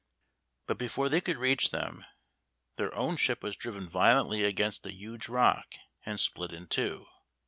But before they could reach them, their own ship was driven violently against a huge rock and split in two.